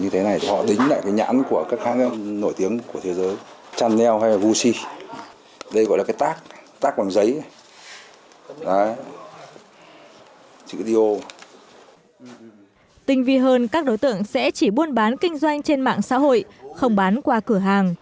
tinh vi hơn các đối tượng sẽ chỉ buôn bán kinh doanh trên mạng xã hội không bán qua cửa hàng